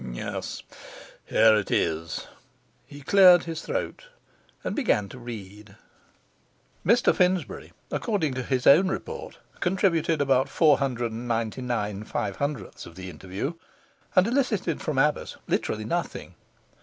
Yes, here it is.' He cleared his throat, and began to read. Mr Finsbury (according to his own report) contributed about four hundred and ninety nine five hundredths of the interview, and elicited from Abbas literally nothing.